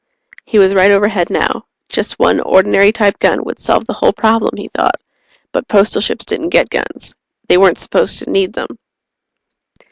He was right overhead now. Just one ordinary type gun would solve the whole problem, he thought. But Postal Ships didn't get guns. They weren't supposed to need them.